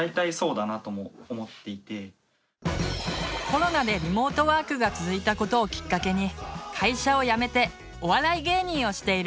コロナでリモートワークが続いたことをきっかけに会社を辞めてお笑い芸人をしているたかすみさん。